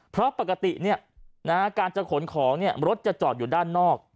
เพราะปกติการจะขนของรถจะจอดอยู่ด้านนอก